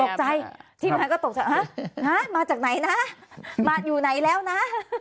ตกใจทีมงานก็ตกใจฮะมาจากไหนนะมาอยู่ไหนแล้วนะ